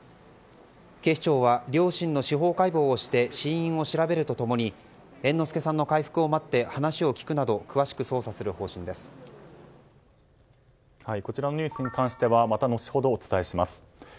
警視庁は両親の司法解剖をして死因を調べると共に猿之助さんの回復を待って話を聞くなどこちらのニュースに関してはまた後ほどお伝えします。